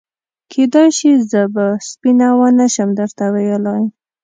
کېدای شي زه به سپینه ونه شم درته ویلای.